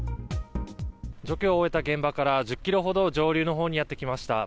除去を終えた現場から１０キロほど上流のほうにやって来ました。